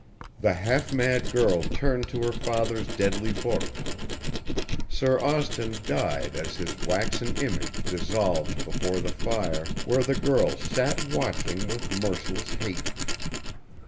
The half mad girl turned to her father's deadly books. Sir Austin died as his waxen image dissolved before the fire, where the girl sat watching with merciless hate.